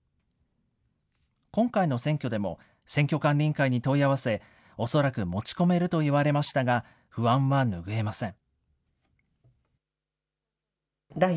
今回の選挙でも、選挙管理委員会に問い合わせ、恐らく持ち込めると言われましたが、不安は拭えません。